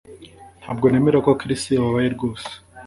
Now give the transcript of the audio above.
Ntabwo nemera ko Chris ababaye rwose